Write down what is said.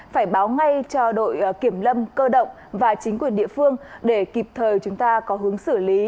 phải báo ngay cho đội kiểm lâm cơ động và chính quyền địa phương để kịp thời chúng ta có hướng xử lý